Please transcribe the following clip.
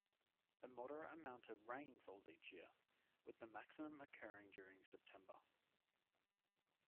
A moderate amount of rain falls each year, with the maximum occurring during September.